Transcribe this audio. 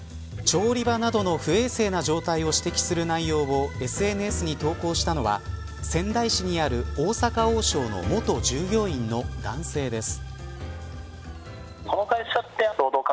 調理場などの不衛生な状態を指摘する内容をＳＮＳに投稿したのは仙台市にある大阪王将の元従業員の男性です。